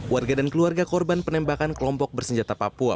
warga dan keluarga korban penembakan kelompok bersenjata papua